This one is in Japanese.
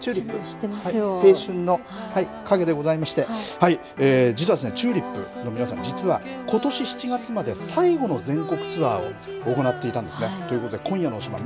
青春の影でございまして実はですね、ＴＵＬＩＰの皆さん実はことし７月まで最後の全国ツアーも行っていたんですね。ということで今夜の推しバン！